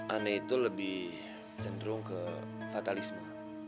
aneh itu lebih cenderung ke fatalisme